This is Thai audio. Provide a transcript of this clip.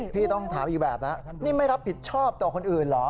พี่ต้องถามอีกแบบนะนี่ไม่รับผิดชอบต่อคนอื่นเหรอ